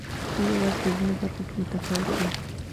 دوی یوازې په ځینو برخو کې متفاوت دي.